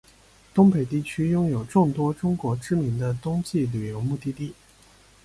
东北地区拥有众多中国知名的冬季旅游目的地。